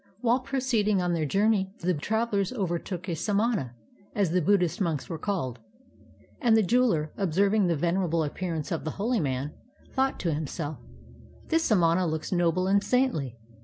While proceeding on their journey the travelers over took a samana, as the Buddhist monks were called, and the jeweler, observing the venerable appearance of the holy man, thought to himself: "This samana looks noble and saintly.